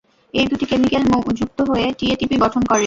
এই দুটি কেমিকেল যুক্ত হয়ে টিএটিপি গঠন করে।